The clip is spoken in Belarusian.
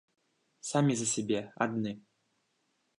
Самі за сябе, адны.